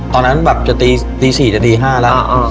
ตอนนั้นแบบจะตี๔จะตี๕แล้ว